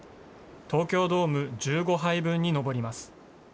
東京ドーム１５杯分に上ります。